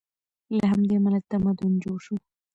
له همدې امله تمدن جوړ شو.